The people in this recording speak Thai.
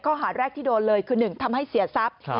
ข้อหาแรกที่โดนเลยคือ๑ทำให้เสียทรัพย์